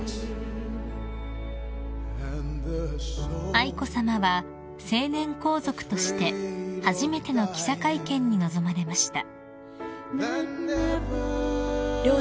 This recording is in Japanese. ［愛子さまは成年皇族として初めての記者会見に臨まれました］